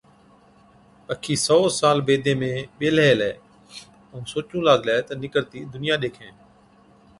پکِي سئو سال بيدي ۾ ٻيهلَي هِلَي ائُون سوچُون لاگلي تہ نِڪرتِي دُنيا ڏيکَين